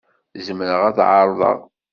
Zemreɣ ad t-ɛerḍeɣ?